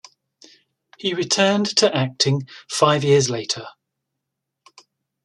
He returned to acting five years later.